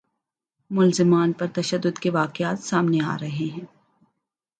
ملزمان پر تشدد کے واقعات سامنے آ رہے ہیں